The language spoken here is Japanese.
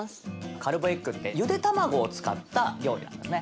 カルボエッグってゆで卵を使った料理なんですね。